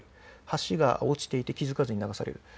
橋が落ちていて気づかずに流される。